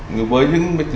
nói về nạn nhân thiệt mạng